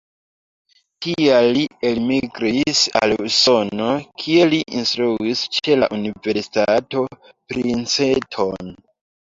Tial li elmigris al Usono, kie li instruis ĉe la universitato Princeton.